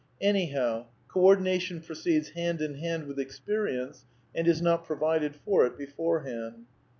Anyhow, co ordination proceeds hand in hand with experience, and is not pro vided for it beforehand.